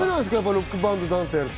ロックバンドがダンスをやると。